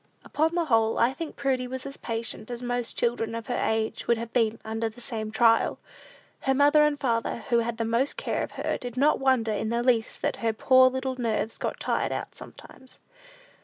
Upon the whole, I think Prudy was as patient as most children of her age would have been under the same trial. Her father and mother, who had the most care of her, did not wonder in the least that her poor little nerves got tired out sometimes.